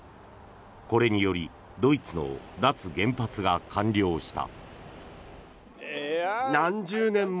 これによりドイツの脱原発が完了した。